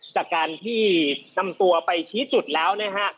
จากการที่นำตัวไปชี้จุดแล้วนะฮะ